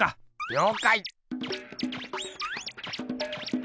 りょうかい！